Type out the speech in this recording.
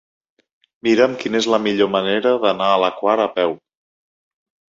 Mira'm quina és la millor manera d'anar a la Quar a peu.